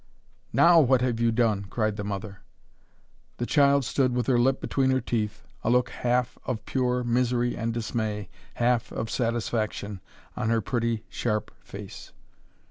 "NOW what have you done!" cried the mother. The child stood with her lip between her teeth, a look, half, of pure misery and dismay, half of satisfaction, on her pretty sharp face.